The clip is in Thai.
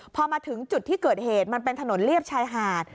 พอมาถึงจุดที่เกิดเหตุมันเป็นถนนเลียบชายหาด